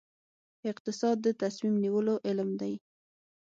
اقتصاد د تصمیم نیولو علم دی